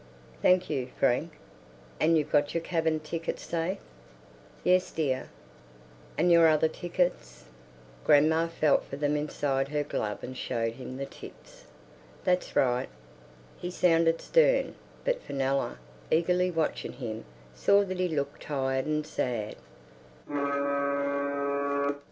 "Thank you, Frank." "And you've got your cabin tickets safe?" "Yes, dear." "And your other tickets?" Grandma felt for them inside her glove and showed him the tips. "That's right." He sounded stern, but Fenella, eagerly watching him, saw that he looked tired and sad.